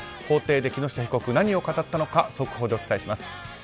法廷で木下被告、何を語ったのか速報でお伝えします。